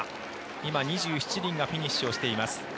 今、２７人がフィニッシュをしています。